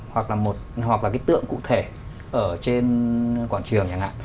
hoặc là cái tượng cụ thể ở trên quảng trường